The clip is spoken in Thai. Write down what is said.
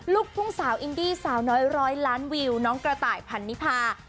ลูกทุ่งสาวอินดี้สาวน้อยร้อยล้านวิวน้องกระต่ายพันนิพา